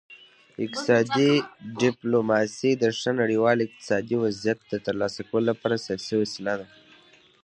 اقتصادي ډیپلوماسي د ښه نړیوال اقتصادي وضعیت د ترلاسه کولو لپاره سیاسي وسیله ده